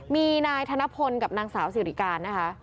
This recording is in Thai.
มีนายทันนะพรกับนางสาวสิริการร์นะคะ